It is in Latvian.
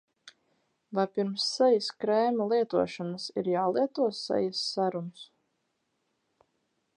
Vai pirms sejas krēma lietošanas ir jālieto sejas serums?